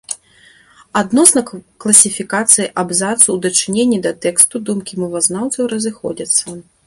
Адносна класіфікацыі абзацу ў дачыненні да тэксту думкі мовазнаўцаў разыходзяцца.